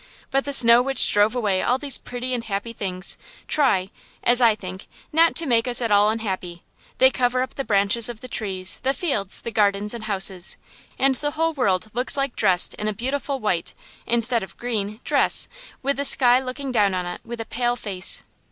But the snow which drove away all these pretty and happy things, try, (as I think) not to make us at all unhappy; they covered up the branches of the trees, the fields, the gardens and houses, and the whole world looks like dressed in a beautiful white instead of green dress, with the sky looking down on it with a pale face.